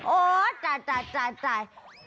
โอ้ยจ๊ะ